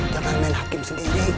jangan main hakim sendiri